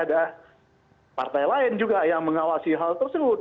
ada partai lain juga yang mengawasi hal tersebut